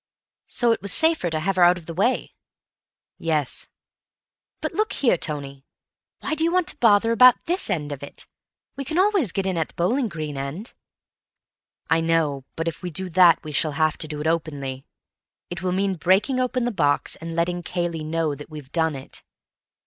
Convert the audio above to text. "So it was safer to have her out of the way?" "Yes." "But, look here, Tony, why do you want to bother about this end of it? We can always get in at the bowling green end." "I know, but if we do that we shall have to do it openly. It will mean breaking open the box, and letting Cayley know that we've done it.